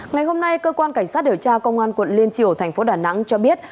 ngày hôm nay cơ quan cảnh sát điều tra công an quận liên triều tp đà nẵng cho biết